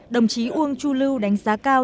đồng chí uông chu lưu đánh giá cao